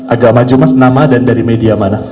agak maju mas nama dan dari media mana